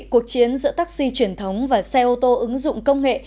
cuộc chiến giữa tác chí truyền thống và xe ô tô ứng dụng công nghệ